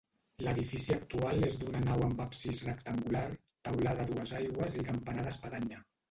L'edifici actual és d'una nau amb absis rectangular, teulada a dues aigües i campanar d'espadanya.